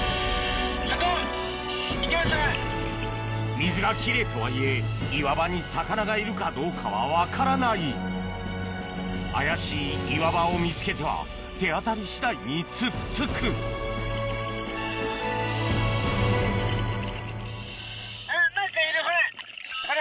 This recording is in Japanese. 水が奇麗とはいえ岩場に魚がいるかどうかは分からない怪しい岩場を見つけては手当たり次第に突っつくほら！